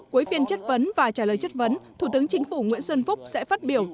cuối phiên chất vấn và trả lời chất vấn thủ tướng chính phủ nguyễn xuân phúc sẽ phát biểu